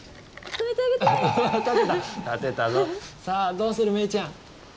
さあどうするメイちゃん。